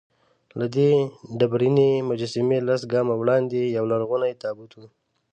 له دغه ډبرینې مجسمې لس ګامه وړاندې یولرغونی تابوت و.